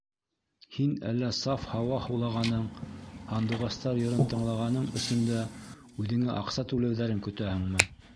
Һин әллә саф һауа һулағаның, һандуғастар йырын тыңлағаның өсөн дә үҙеңә аҡса түләүҙәрен көтәһеңме?!